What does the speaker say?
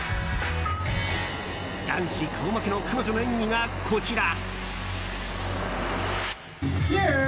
男子顔負けの彼女の演技が、こちら。